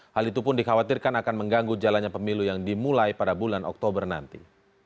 hal itu pun dikhawatirkan akan mengganggu jalannya pemilu yang dimulai pada bulan oktober nanti